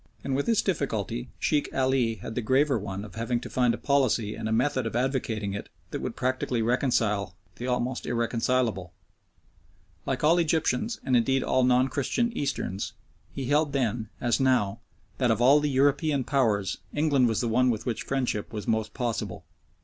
And with this difficulty Sheikh Ali had the graver one of having to find a policy and a method of advocating it that would practically reconcile the almost irreconcilable. Like all Egyptians, and indeed all non Christian Easterns, he held then, as now, that of all the European Powers England was the one with which friendship was most possible.